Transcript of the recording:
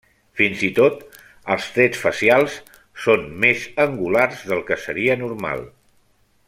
Fins i tot, els trets facials són més angulars del que seria normal.